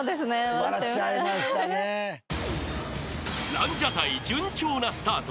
［ランジャタイ順調なスタート。